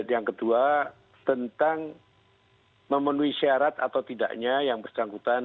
yang kedua tentang memenuhi syarat atau tidaknya yang bersangkutan